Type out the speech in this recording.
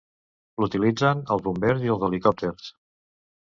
L'utilitzen els bombers i els helicòpters.